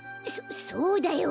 そそうだよ。